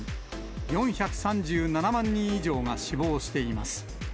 ４３７万人以上が死亡しています。